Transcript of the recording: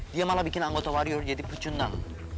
dia malah bikin anggota warior jadi pecundang